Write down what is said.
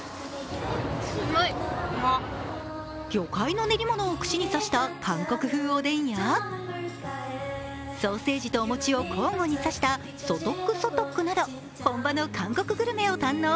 魚介の練り物を串に刺した韓国風おでんやソーセージとお餅を交互に刺したソトックソトックなど本場の韓国グルメを堪能。